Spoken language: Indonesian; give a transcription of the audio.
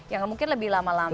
waktu yang mungkin lebih lama lama